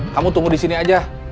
kamu tunggu disini aja